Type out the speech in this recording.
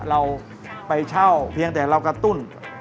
เราไปเช่าเพียงแต่เรากระตุ้น